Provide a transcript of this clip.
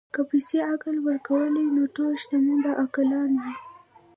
که پیسې عقل ورکولی، نو ټول شتمن به عاقلان وای.